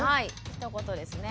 ひと言ですね。